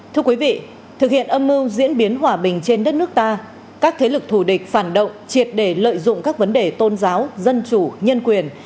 thưa quý vị thực hiện âm mưu diễn biến hòa bình trên đất nước ta các thế lực thù địch phản động triệt để lợi dụng các vấn đề tôn giáo dân chủ nhân quyền